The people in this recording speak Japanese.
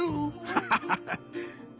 ハハハハ。